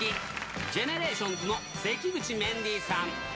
ＧＥＮＥＲＡＴＩＯＮＳの関口メンディーさん。